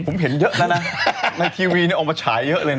ผมเห็นเยอะแล้วนะในทีวีเนี่ยออกมาฉายเยอะเลยนะ